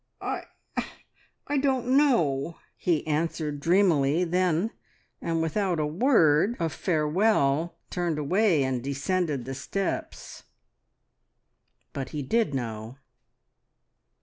"I don't know!" he answered dreamily then, and without a word of farewell turned away and descended the steps. But he did know.